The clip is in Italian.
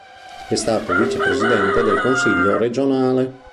È stato vicepresidente del consiglio regionale.